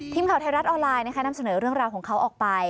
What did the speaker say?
ทีมข่าวไทยรัฐออนไลน์นะคะนำเสนอเรื่องราวของเขาออกไป